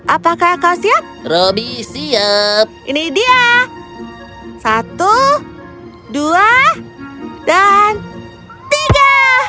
apakah kau siap roby siap ini dia satu dua dan tiga